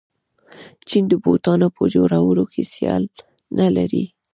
چین د بوټانو په جوړولو کې سیال نلري.